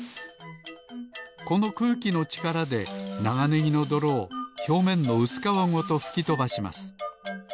このくうきのちからでながねぎのどろをひょうめんのうすかわごとふきとばします。